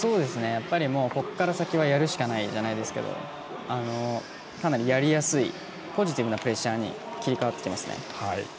やっぱり、ここから先はやるしかないじゃないですけどかなりやりやすいポジティブなプレッシャーに切り替わってきますね。